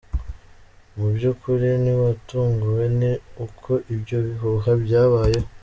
Mu byukuri ntiwatunguwe ni uko ibyo bihuha byabayeho?”.